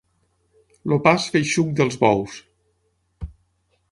El pas feixuc dels bous.